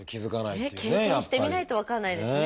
経験してみないと分からないですね。